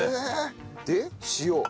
で塩。